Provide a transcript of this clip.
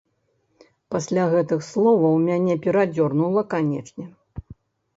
Пасля гэтых словаў мяне перадзёрнула, канечне.